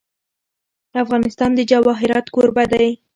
افغانستان د جواهرات کوربه دی.